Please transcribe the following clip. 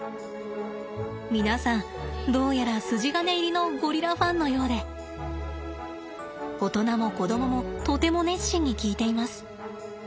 皆さんどうやら筋金入りのゴリラファンのようで大人も子どももとても熱心に聞いています。